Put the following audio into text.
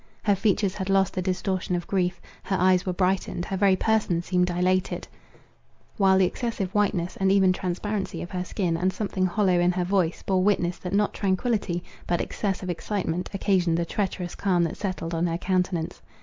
Her features had lost the distortion of grief; her eyes were brightened, her very person seemed dilated; while the excessive whiteness and even transparency of her skin, and something hollow in her voice, bore witness that not tranquillity, but excess of excitement, occasioned the treacherous calm that settled on her countenance.